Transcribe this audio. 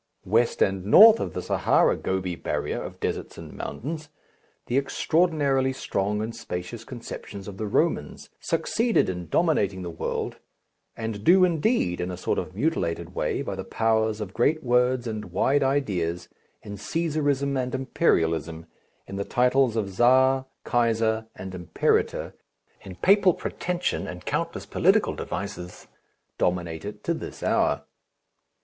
West and north of the Sahara Gobi barrier of deserts and mountains, the extraordinarily strong and spacious conceptions of the Romans succeeded in dominating the world, and do, indeed, in a sort of mutilated way, by the powers of great words and wide ideas, in Cæsarism and Imperialism, in the titles of Czar, Kaiser, and Imperator, in Papal pretension and countless political devices, dominate it to this hour.